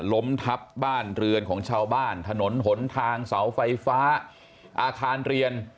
ล้มทับบ้านเรือนของชาวบ้านถนนหนทางเสาไฟฟ้าอาคารเรียน